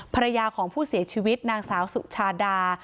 ภรรยาของผู้เสียชีวิตนางสาวสุชาดา